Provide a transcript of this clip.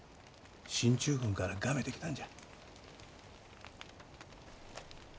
進駐軍からがめてきたんじゃ。